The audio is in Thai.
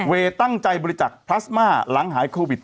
ตั้งใจบริจักษ์พลาสมาหลังหายโควิด